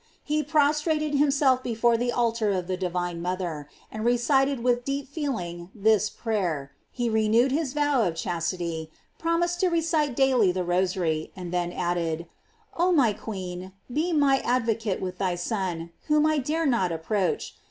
He prostrated himself be fore the altar of the divine mother, and recited with deep feeling this prayer; he renewed his vow of chastity, promised to recite daily the rosary, and then added: "Oh my queen, be my advocate with thy Son, whom I dare not ap proach.